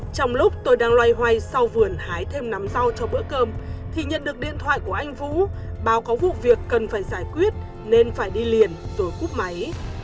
trong lúc tôi đang loay hoay sau vườn hái thêm nắm rau cho bữa cơm thì nhận được điện thoại của anh vũ báo có vụ việc cần phải giải quyết nên phải đi liền rồi cúp máy